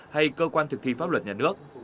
hay cơ quan thực thi pháp luật nhà nước